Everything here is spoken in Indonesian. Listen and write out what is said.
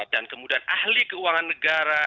dan kemudian ahli keuangan negara